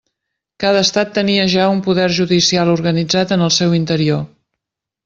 Cada estat tenia ja un poder judicial organitzat en el seu interior.